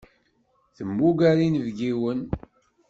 Temmuger inebgiwen.